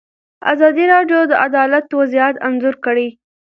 ازادي راډیو د عدالت وضعیت انځور کړی.